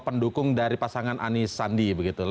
pendukung dari pasangan anies sandi